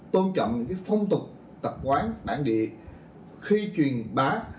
tôn trọng những phong tục tập quán bản địa khi truyền bá